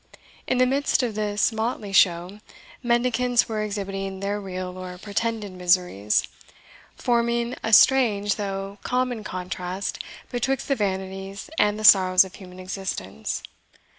In the midst of this motley show, mendicants were exhibiting their real or pretended miseries, forming a strange though common contrast betwixt the vanities and the sorrows of human existence.